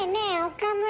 岡村。